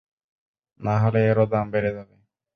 নাহলে এরও দাম বেড়ে যাবে।